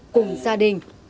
cùng gia đình